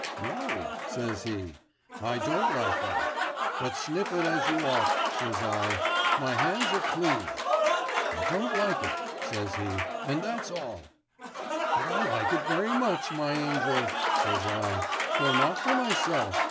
"No," says he, "I don't like that." "But sniff it as you ought," says I, "my hands are clean." "I don't like it," says he, "and that's all." "But I like it very much, my angel," says I, "though not for myself.